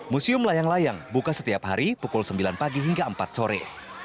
museum layang layang buka setiap hari pukul sembilan pagi hingga empat sore